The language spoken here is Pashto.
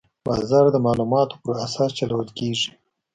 بازار د معلوماتو پر اساس چلول کېږي.